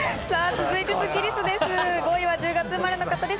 続いてスッキりすです。